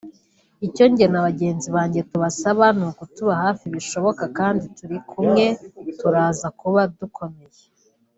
Icyo njye na bagenzi banjye tubasaba ni ukutuba hafi bishoboka kandi turi kumwe turaza kuba dukomeye